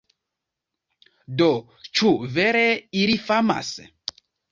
Do ĉu vere ili famas?